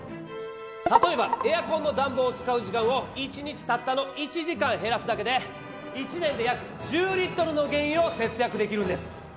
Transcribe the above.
例えばエアコンの暖房を使う時間を１日たったの１時間減らすだけで１年で約１０リットルの原油を節約できるんです！